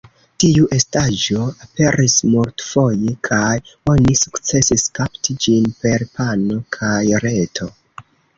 Tiu estaĵo aperis multfoje kaj oni sukcesis kapti ĝin per pano kaj reto.